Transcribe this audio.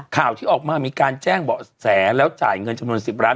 ข่าวที่ออกมามีการแจ้งเบาะแสแล้วจ่ายเงินจำนวน๑๐ล้าน